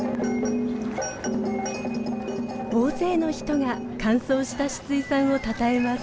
大勢の人が完走したシツイさんをたたえます。